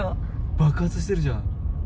爆発してるじゃん。